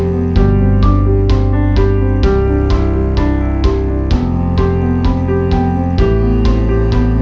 โปรดติดตามตอนต่อไป